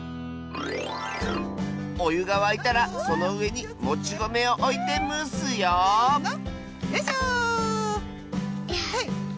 おゆがわいたらそのうえにもちごめをおいてむすよよいしょ。